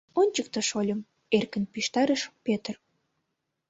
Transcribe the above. Ончыкто, шольым, — эркын шижтарыш Пӧтыр.